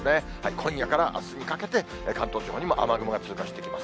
今夜からあすにかけて、関東地方にも雨雲が通過していきます。